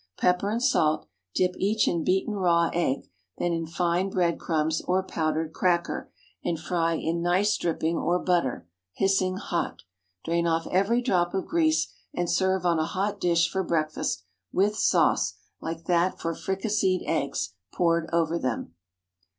Pepper and salt; dip each in beaten raw egg, then in fine bread crumbs or powdered cracker, and fry in nice dripping or butter, hissing hot. Drain off every drop of grease, and serve on a hot dish for breakfast, with sauce, like that for fricasseed eggs, poured over them.